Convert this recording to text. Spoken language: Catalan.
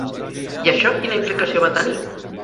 I això quina implicació va tenir?